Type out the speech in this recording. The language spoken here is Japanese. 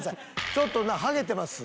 ちょっとハゲてます。